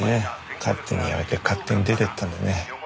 勝手に辞めて勝手に出て行ったんでね。